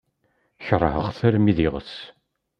Keṛheɣ-t armi d iɣes.